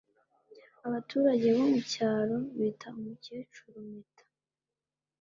Abaturage bo mucyaro bita umukecuru Meta